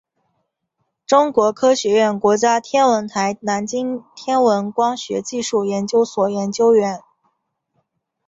中国科学院国家天文台南京天文光学技术研究所研究员。